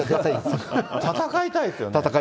戦いたいですよね？